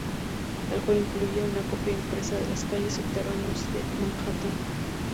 El juego incluía una copia impresa de las calles y subterráneos de Manhattan.